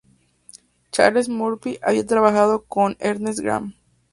Charles Murphy, había trabajado con Ernest Graham.